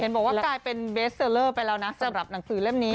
บอกว่ากลายเป็นเบสเซอร์เลอร์ไปแล้วนะสำหรับหนังสือเล่มนี้